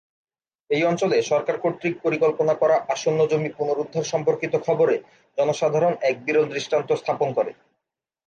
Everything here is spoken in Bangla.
এই অঞ্চলে সরকার কর্তৃক পরিকল্পনা করা আসন্ন জমি পুনরুদ্ধার সম্পর্কিত খবরে জনসাধারণ এক বিরল দৃষ্টান্ত স্থাপন করে।